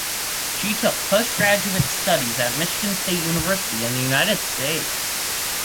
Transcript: She took postgraduate studies at Michigan State University in the United States.